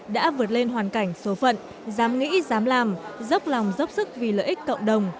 đã vượt lên hoàn cảnh số phận dám nghĩ dám làm dốc lòng dốc sức vì lợi ích cộng đồng